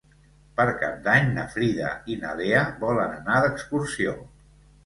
Per Cap d'Any na Frida i na Lea volen anar d'excursió.